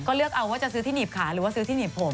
ก็เลือกเอาว่าจะซื้อที่หนีบขาหรือว่าซื้อที่หนีบผม